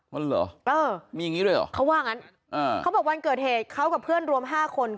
มันเหรอเออมีอย่างงี้ด้วยเหรอเขาว่างั้นอ่าเขาบอกวันเกิดเหตุเขากับเพื่อนรวมห้าคน